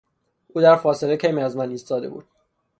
او در فاصله کمی از من ایستاده بود.